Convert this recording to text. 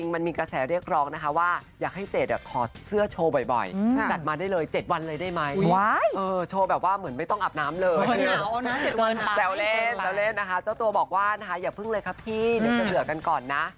เจ้าตัวบอกว่าอย่าเพิ่งเลยครับพี่นึกจะเหลือกันก่อนนะ